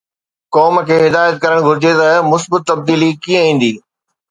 قوم کي هدايت ڪرڻ گهرجي ته مثبت تبديلي ڪيئن ايندي؟